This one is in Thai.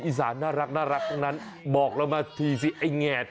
อื้อคือเป็นแงบ